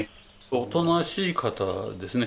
おとなしい方ですね。